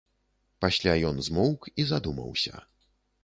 Пасля ён змоўк і задумаўся.